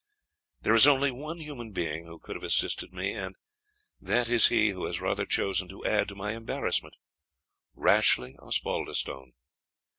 There is only one human being who could have assisted me, and that is he who has rather chosen to add to my embarrassment Rashleigh Osbaldistone.